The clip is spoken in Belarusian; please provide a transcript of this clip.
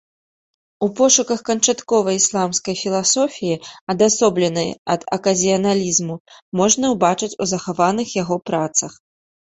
У пошуках канчатковай ісламскай філасофіі, адасобленай ад аказіяналізму, можна ўбачыць у захаваных яго працах.